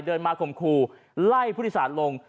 เดินมาคมครูไล่ผู้ที่สารลง